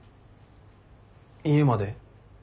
家まで？